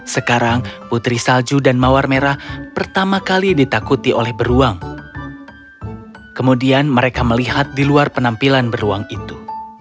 sekarang putri salju dan mawar merah pertama kali ditakuti oleh beruang kemudian mereka melihat di luar penampilan beruang itu